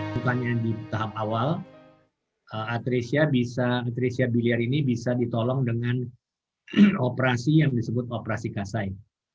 bukannya di tahap awal atresia biliar ini bisa ditolong dengan operasi yang disebut operasi kasai